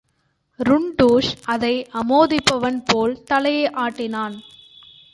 டுன்டுஷ் அதை அமோதிப்பவன் போல் தலையை ஆட்டினான்.